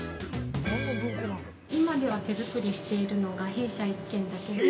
今では手作りしているのは弊社１軒だけなんです。